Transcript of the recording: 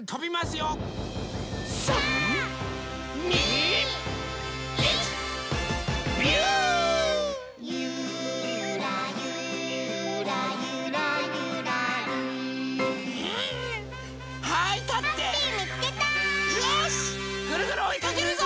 よしぐるぐるおいかけるぞ！